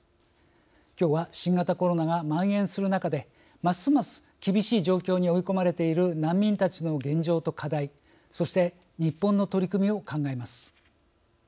きょうは新型コロナがまん延する中でますます厳しい状況に追い込まれている難民たちの現状と課題そして日本の取り組みを考えます。